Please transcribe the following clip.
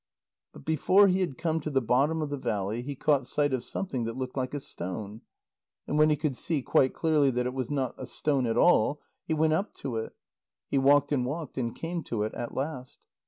But before he had come to the bottom of the valley, he caught sight of something that looked like a stone. And when he could see quite clearly that it was not a stone at all, he went up to it. He walked and walked, and came to it at last.